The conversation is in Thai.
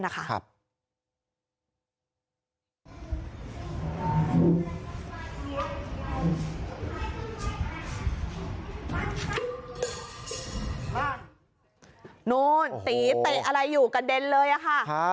โน่นตีเตะอะไรอยู่กระเด็นเลยค่ะ